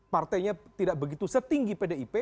partainya tidak begitu setinggi pdip